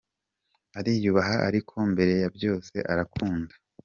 Ariyubaha ariko mbere ya byose arankunda.